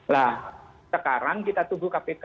nah sekarang kita tunggu kpk